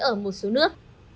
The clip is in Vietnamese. ở một số nước